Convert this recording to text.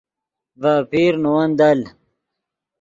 ڤے اپیر نے ون دل